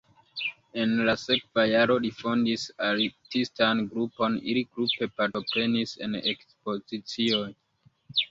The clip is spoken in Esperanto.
En la sekva jaro li fondis artistan grupon, ili grupe partoprenis en ekspozicioj.